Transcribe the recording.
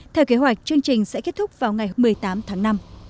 theo kế hoạch chương trình sẽ kết thúc vào ngày một mươi tám tháng năm